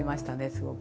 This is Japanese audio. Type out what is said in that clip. すごく。